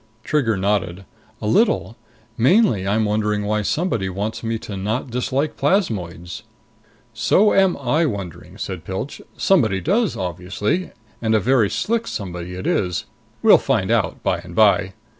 Trigger nodded. "A little. Mainly I'm wondering why somebody wants me to not dislike plasmoids." "So am I wondering," said Pilch. "Somebody does, obviously. And a very slick somebody it is. We'll find out by and by.